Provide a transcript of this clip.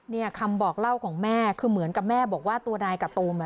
เนี่ยคำบอกเล่าของแม่คือเหมือนกับแม่บอกว่าตัวนายกะตูมอ่ะ